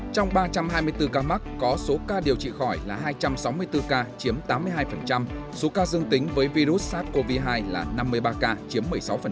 trong ba trăm hai mươi bốn ca mắc có số ca điều trị khỏi là hai trăm sáu mươi bốn ca chiếm tám mươi hai số ca dương tính với virus sars cov hai là năm mươi ba ca chiếm một mươi sáu